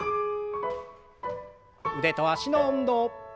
腕と脚の運動。